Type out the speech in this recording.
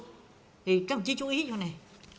thì các bác sĩ chú ý cho này